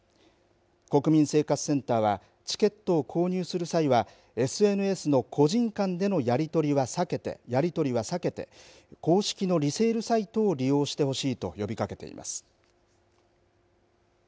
国民生活センターはチケットを購入する際はＳＮＳの個人間でのやり取りは避けて公式のリセールサイトを利用してほしいと呼びかけています。